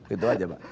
itu aja pak